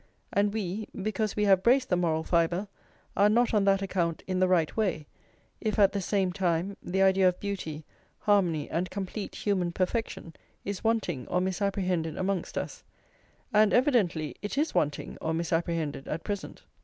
And we, because we have braced the moral fibre, are not on that account in the right way, if at the same time the idea of beauty, harmony, and complete human perfection, is wanting or misapprehended amongst us; and evidently it is wanting or misapprehended at present.